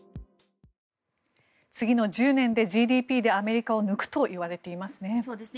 次の１０年でＧＤＰでアメリカを抜くといわれていますね。